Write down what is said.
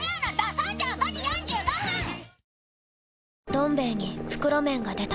「どん兵衛」に袋麺が出た